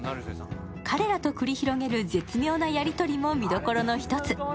彼らと繰り広げる絶妙なやり取りも見どころの一つ。